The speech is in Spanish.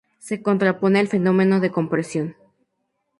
Se contrapone al fenómeno de compresión.